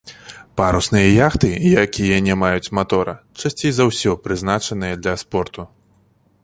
Парусныя яхты, якія не маюць матора, часцей за ўсё прызначаныя для спорту.